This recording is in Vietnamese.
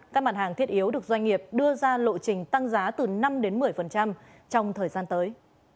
các mặt hàng thiết yếu được doanh nghiệp đưa ra lộ trình tăng giá từ năm một mươi trong thời gian tới